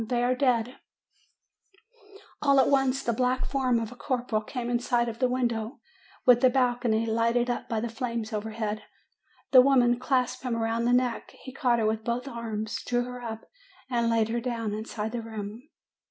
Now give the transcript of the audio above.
They are dead !' "All at once the black form of the corporal came in sight at the window with the balcony, lighted up by the flames overhead. The woman clasped him round the neck ; he caught her with both arms, drew her up, and laid her down inside the room.